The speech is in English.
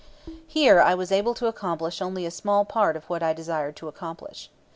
Here I was able to accomplish only a small part of what I desired to accomplish.